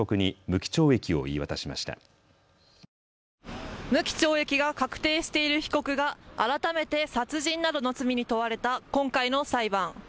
無期懲役が確定している被告が改めて殺人などの罪に問われた今回の裁判。